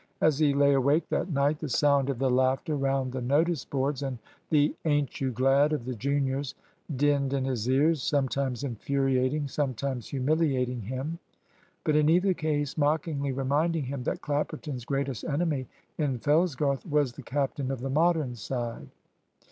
As he lay awake that night, the sound of the laughter round the notice boards and the "Ain't you glad?" of the juniors dinned in his ears, sometimes infuriating, sometimes humiliating him; but in either case mockingly reminding him that Clapperton's greatest enemy in Fellsgarth was the captain of the Modern side.